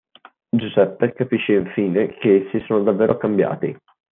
Giuseppe capisce infine che essi sono davvero cambiati.